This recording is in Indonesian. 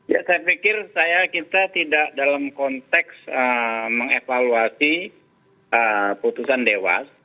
ya saya pikir kita tidak dalam konteks mengevaluasi putusan dewas